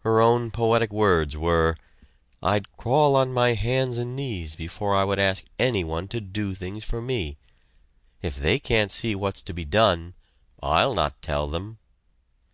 Her own poetic words were: "I'd crawl on my hands and knees before I would ask anyone to do things for me. If they can't see what's to be done, I'll not tell them."